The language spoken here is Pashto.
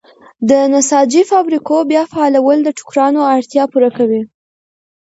د نساجۍ فابریکو بیا فعالول د ټوکرانو اړتیا پوره کوي.